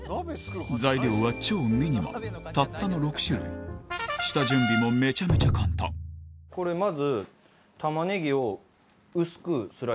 材料は超ミニマムたったの６種類下準備もめちゃめちゃ簡単これまず。